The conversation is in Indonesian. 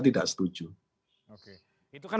tidak setuju oke itu kan